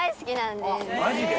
マジで？